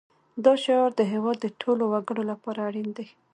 دا شعار د هېواد د ټولو وګړو لپاره اړین دی